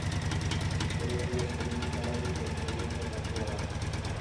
Psikologia esperimentalaren sortzailetzat hartua da.